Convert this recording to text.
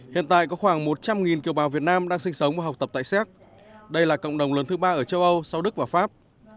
hiện tại có khoảng một trăm linh kiều bào việt nam đang sinh sống và học tập tại séc đây là cộng đồng lớn thứ ba ở châu âu sau đức và pháp